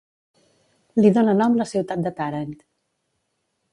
Li dóna nom la ciutat de Tàrent.